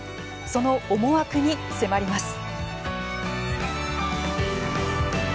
その思惑に迫ります。